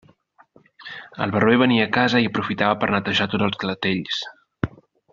El barber venia a casa i aprofitava per a netejar tots els clatells.